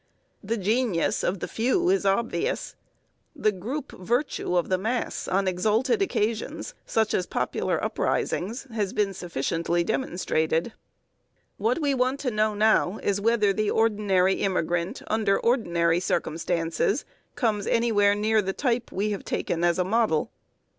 The genius of the few is obvious; the group virtue of the mass on exalted occasions, such as popular uprisings, has been sufficiently demonstrated. What we want to know now is whether the ordinary immigrant under ordinary circumstances comes anywhere near the type we have taken as a model.